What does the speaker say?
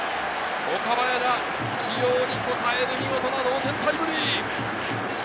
岡林が起用に応える見事な同点タイムリー。